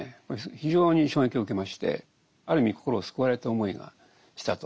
非常に衝撃を受けましてある意味心を救われた思いがしたと。